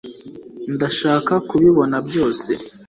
ndashaka kubibona byose